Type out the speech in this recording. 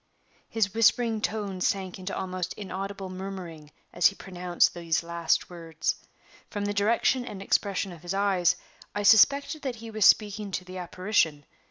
His whispering tones sank into almost inaudible murmuring as he pronounced these last words. From the direction and expression of his eyes, I suspected that he was speaking to the apparition.